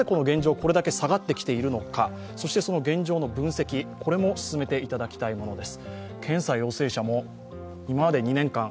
これだけ下がってきているのか、そしてその現状の分析も進めていただきたいものです。